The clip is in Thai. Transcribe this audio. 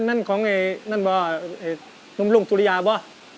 นั่นนั่นนั่นว่านุ่มรุ่งสุริยาบ่ะ